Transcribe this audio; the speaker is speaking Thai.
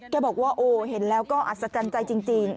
บอกว่าโอ้เห็นแล้วก็อัศจรรย์ใจจริง